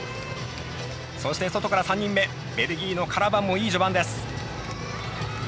そして外から３人目、ベルギーのカラバンも、いい序盤です。